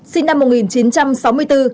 sinh năm một nghìn chín trăm sáu mươi bốn